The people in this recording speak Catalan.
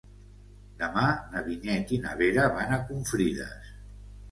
Demà na Vinyet i na Vera van a Confrides.